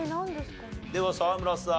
では沢村さん。